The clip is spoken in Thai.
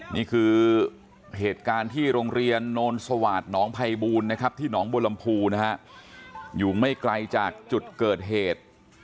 นี่คือเหตุการณ์ที่โรงเรียนโนนสวาสตหนองภัยบูลนะครับที่หนองบัวลำพูนะฮะอยู่ไม่ไกลจากจุดเกิดเหตุ